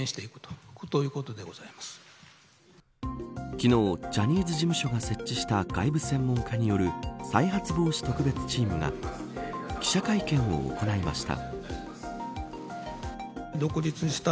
昨日、ジャニーズ事務所が設置した外部専門家による再発防止特別チームが記者会見を行いました。